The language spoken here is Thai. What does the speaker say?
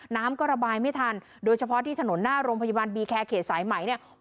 น้ำก็ระบายไม่ทันโดยเฉพาะที่ถนนหน้าโรงพยาบาลบีแคร์เขตสายไหมเนี่ย